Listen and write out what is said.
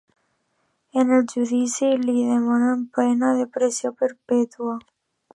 En el judici li demanaven pena de presó perpètua.